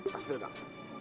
tas dulu dong